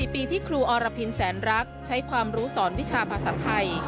ปีที่ครูอรพินแสนรักใช้ความรู้สอนวิชาภาษาไทย